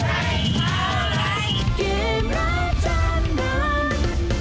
เฮ้าไหล่เฮ้าไหล่เฮ้าไหล่